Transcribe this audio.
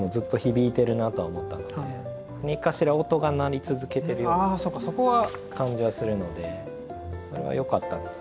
何かしら音が鳴り続けてるような感じはするのでそれはよかった。